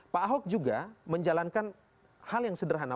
pak ahok juga menjalankan hal yang sederhana